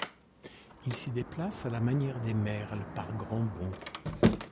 Il s'y déplace à la manière des merles, par grands bonds.